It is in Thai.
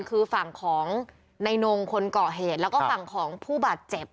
คือฝั่งของในนงคนเกาะเหตุแล้วก็ฝั่งของผู้บาดเจ็บ